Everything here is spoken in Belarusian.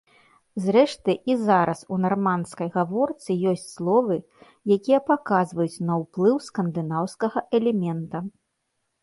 Зрэшты, і зараз у нармандскай гаворцы ёсць словы, якія паказваюць на ўплыў скандынаўскага элемента.